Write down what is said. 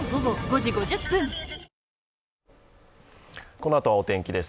このあとはお天気です。